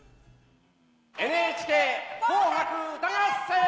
「ＮＨＫ紅白歌合戦」！